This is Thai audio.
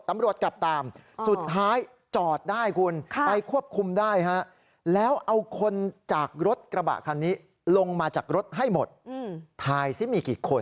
ตำรวจดับไม่ทันเพราะเขากลับรถตำรวจกลับตาม